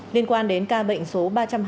liên quan đến ca bệnh số ba trăm hai mươi